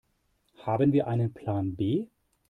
Haben wir einen Plan B?